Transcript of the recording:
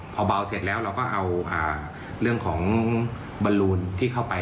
พอเบาเสร็จแล้วเราก็เอาเรื่องของบอลลูนที่เข้าไป